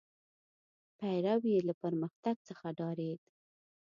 پیرو یې له پرمختګ څخه ډارېد.